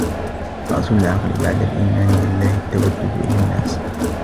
رَأْسُ الْعَقْلِ بَعْدَ الْإِيمَانِ بِاَللَّهِ التَّوَدُّدُ إلَى النَّاسِ